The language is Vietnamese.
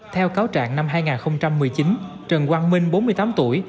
theo cáo trạng năm hai nghìn một mươi chín trần quang minh bốn mươi tám tuổi